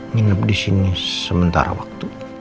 nginap disini sementara waktu